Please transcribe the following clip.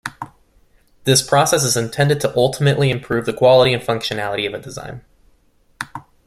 This process is intended to ultimately improve the quality and functionality of a design.